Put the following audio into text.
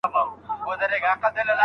موږ د هغې اهداف نه دي پټ کړي.